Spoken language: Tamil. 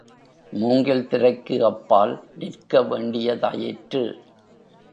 மூங்கில் திரைக்கு அப்பால் நிற்க வேண்டியதாயிற்று.